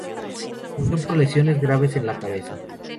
Murió por lesiones graves en la cabeza.